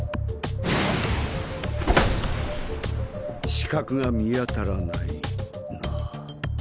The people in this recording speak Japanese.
死角が見当たらないな。